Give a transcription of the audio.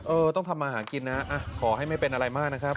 ต้องทำมาหากินนะขอให้ไม่เป็นอะไรมากนะครับ